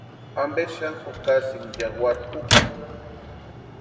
¿Ampe xani jukasïnki yawarhi úkata?